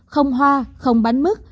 không hoa không bánh mứt